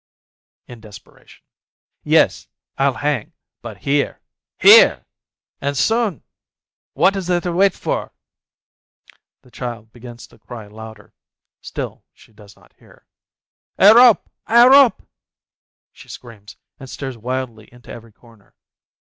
(in desperation). "Yes, I'll hang, but here, here! And soon ! What is there to wait for?" The child begins to cry louder ; still she does not hear. "A rope ! a rope !" she screams, and stares wildly into every corner.